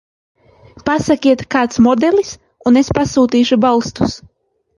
Pasakiet kāds modelis un es pasūtīšu balstus.